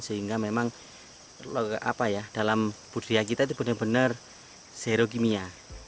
sehingga memang dalam budaya kita itu benar benar zero kimia